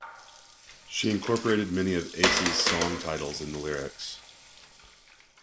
She incorporated many of Ace's song titles in the lyrics.